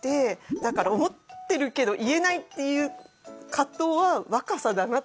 だから思ってるけど言えないっていう葛藤は若さだなって